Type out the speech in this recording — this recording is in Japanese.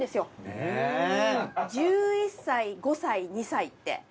１１歳５歳２歳って。